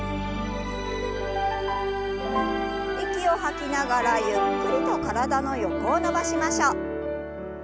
息を吐きながらゆっくりと体の横を伸ばしましょう。